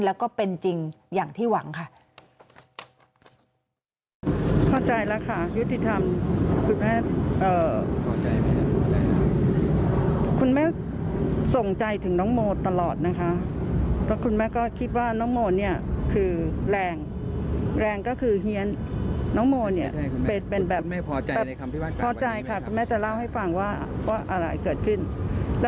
แล้วก็เป็นจริงอย่างที่หวังค่ะ